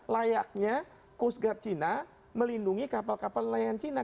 layaknya coast guard china melindungi kapal kapal nelayan cina